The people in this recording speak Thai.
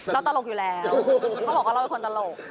ตลกอยู่แล้วเขาบอกว่าเราเป็นคนตลก